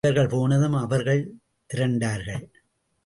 இவர்கள் போனதும், அவர்கள் திரண்டார்கள்.